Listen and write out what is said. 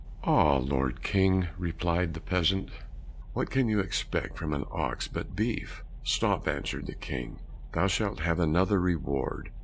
"Ah, Lord King," replied the peasant, "what can you expect from an ox, but beef?" "Stop," answered the King, "thou shalt have another reward.